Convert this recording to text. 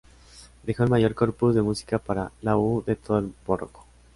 Dejó el mayor corpus de música para laúd de todo el barroco.